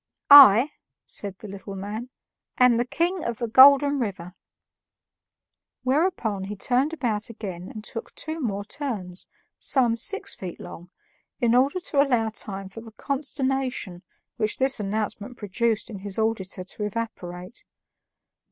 "I," said the little man, "am the King of the Golden River." Whereupon he turned about again and took two more turns, some six feet long, in order to allow time for the consternation which this announcement produced in his auditor to evaporate.